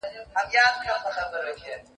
ماشومان د خوړو او خوب وخت ته پابند دي.